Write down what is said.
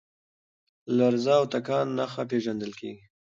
لرزه او تکان نښه پېژندل کېږي.